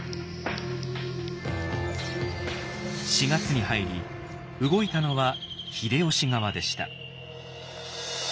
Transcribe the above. ４月に入り動いたのは秀吉側でした。